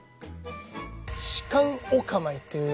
仕官お構いっていう